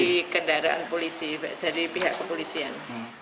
dari kendaraan polisi dari pihak kepolisian